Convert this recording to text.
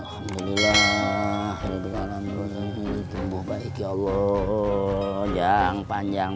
karena gua dua puluh tiga tahun